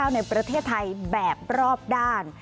ในประเทศไทยแบบรอบด้าน